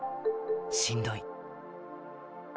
しんどい。